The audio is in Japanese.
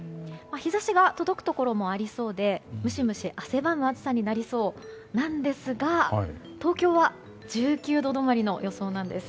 日差しが届くところもありそうでムシムシと汗ばむ暑さになりそうなんですが東京は１９度止まりの予想なんです。